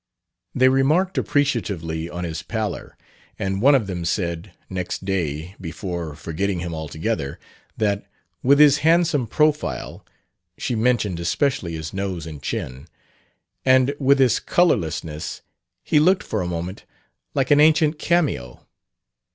They remarked appreciatively on his pallor; and one of them said, next day, before forgetting him altogether, that, with his handsome profile (she mentioned especially his nose and chin) and with his colorlessness, he looked for a moment like an ancient cameo.